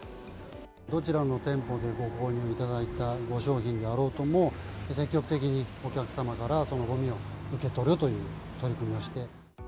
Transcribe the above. どちらの店舗でご購入いただいたご商品であろうとも、積極的にお客様からそのごみを受け取るという取り組みをして。